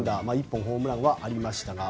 １本のホームランはありましたが。